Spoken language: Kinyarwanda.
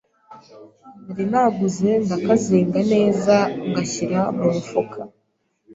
nari naguze ndakazinga neza ngashyira mu mufuka